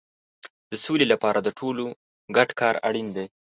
د سولې لپاره د ټولو ګډ کار اړین دی.